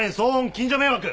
近所迷惑！